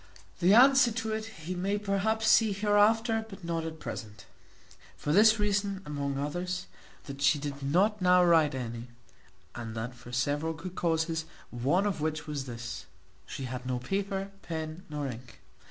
The answer to it he may perhaps see hereafter, but not at present: for this reason, among others, that she did not now write any, and that for several good causes, one of which was this, she had no paper, pen, nor ink.